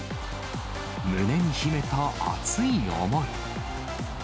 胸に秘めた熱い思い。